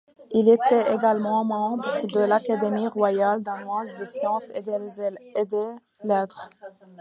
Il était également membre de l'Académie royale danoise des sciences et des lettres.